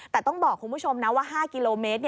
แต่ต้องบอกคุณผู้ชมนะว่า๕กิโลเมตร